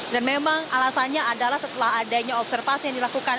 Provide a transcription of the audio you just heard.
dan memang alasannya adalah setelah adanya observasi yang dilakukan